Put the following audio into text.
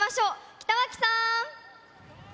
北脇さん。